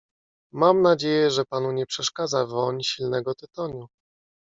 "Mam nadzieje że panu nie przeszkadza woń silnego tytoniu?"